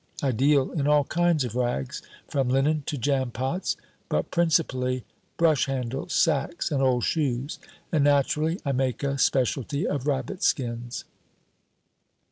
I deal in all kinds of rags, from linen to jam pots, but principally brush handles, sacks, and old shoes; and naturally, I make a specialty of rabbit skins."